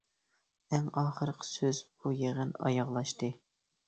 ئەڭ ئاخىرقى سۆز بۇ يىغىن ئاياغلاشتى.